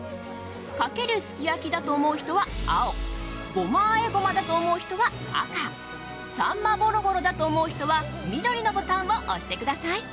かけるすき焼だと思う人は青ごま和え胡麻だと思う人は赤さんまぼろぼろだと思う人は緑のボタンを押してください。